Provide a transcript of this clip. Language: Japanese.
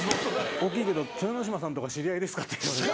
「大きいけど豊ノ島さんとか知り合いですか？」って言われて。